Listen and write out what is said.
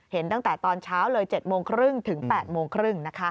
ตั้งแต่ตอนเช้าเลย๗โมงครึ่งถึง๘โมงครึ่ง